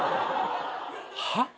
はっ？